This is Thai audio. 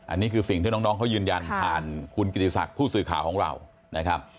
อันนี้คือสิ่งที่น้องเขายืนยันผ่านคุณกิติศักดิ์ผู้สื่อข่าวของเรานะครับ